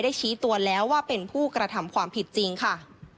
ชี้ตัวแล้วว่าเป็นผู้กระทำความผิดจริงค่ะ